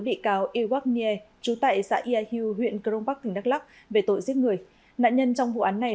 bị cao iwak nye chú tại xã iahiu huyện crong park tỉnh đắk lắk về tội giết người nạn nhân trong vụ án này